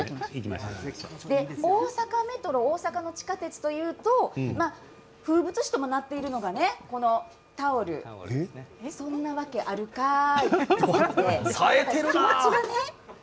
大阪メトロ大阪の地下鉄というと風物詩ともなっているのが、このタオルそんなわけがあるかい！